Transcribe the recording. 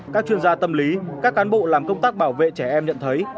các chuyên gia tâm lý các cán bộ làm công tác bảo vệ trẻ em nhận thấy